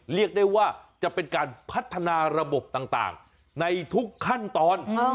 เรียกได้ว่าจะเป็นการพัฒนาระบบต่างในทุกขั้นตอน